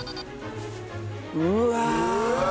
うわ！